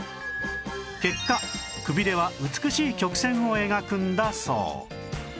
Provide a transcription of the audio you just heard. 結果くびれは美しい曲線を描くんだそう